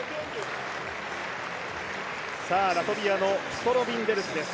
ラトビアのストロビンデルスです。